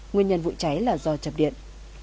nguyên nhân vụ cháy là do chập điện